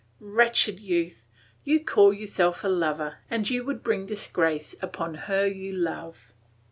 Wretched youth, you call yourself a lover and you would bring disgrace upon her you love!